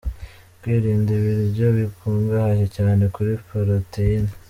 Kwirinda ibiryo bikungahaye cyane kuri poroteyini.